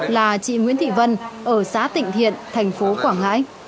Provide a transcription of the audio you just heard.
là chị nguyễn thị vân ở xã tịnh thiện thành phố quảng ngãi